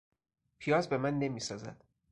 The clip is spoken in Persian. پیاز به من نمیسازد.